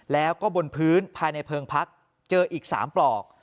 แล้วก็บนพื้นภายในเพลิงพักเจออีก๓ปลอก